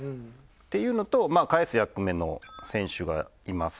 っていうのとかえす役目の選手がいます。